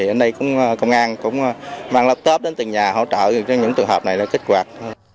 ở đây công an cũng mang laptop đến từng nhà hỗ trợ những tựa hợp này để kích hoạt